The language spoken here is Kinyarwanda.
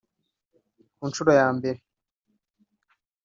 Ku nshuro ya mbere